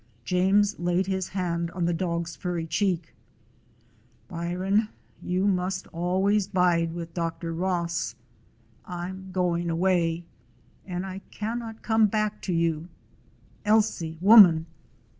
James laid his hand on the dog's furry cheek. "Byron, you must always bide with Dr. 130 A DOG OF SCOTLAND Ross. I 'm going away, and I cannot come back to you. Ailsie woman!"